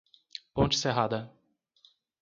Ponte Serrada